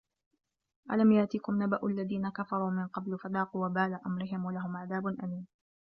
أَلَم يَأتِكُم نَبَأُ الَّذينَ كَفَروا مِن قَبلُ فَذاقوا وَبالَ أَمرِهِم وَلَهُم عَذابٌ أَليمٌ